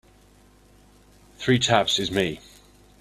Three taps is me.